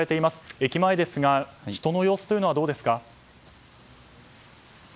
駅前ですが人の様子はどうでしょうか？